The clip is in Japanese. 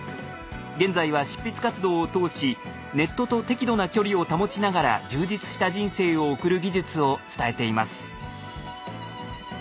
現在は執筆活動を通しネットと適度な距離を保ちながら充実した人生を送る技術を伝えています。